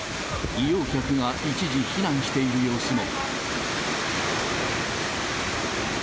利用客が一時避難している様子も。